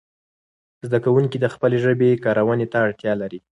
زده کوونکي د خپلې ژبې کارونې ته اړتیا لري.